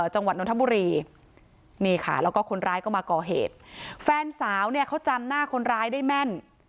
จังหวัดนทบุรีนี่ค่ะแล้วก็คนร้ายก็มาก่อเหตุแฟนสาวเนี่ยเขาจำหน้าคนร้ายได้แม่น